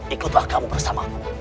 ikutlah kamu bersamaku